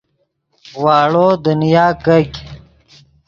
واڑو دنیا کیګ